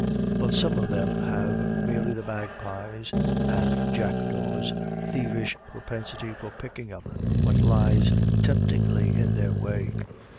But some of them have merely the magpies' and jackdaws' thievish propensity for picking up what lies temptingly in their way.